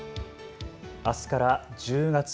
あすから１０月。